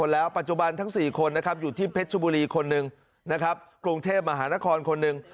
นี่ไม่ใช่บทละครครับคุณผู้ชมครับแต่เป็นชีวิตจริงครับสำหรับการยื่นฟ้องขับไล่ลูกเนี่ย